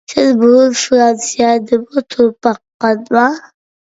سىز بۇرۇن فىرانسىيەدىمۇ تۇرۇپ باققانما؟